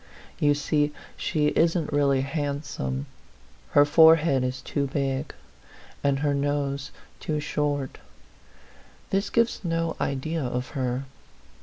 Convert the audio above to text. You see she isn't really handsome; her forehead is too big, and her nose too short. This gives no idea of her.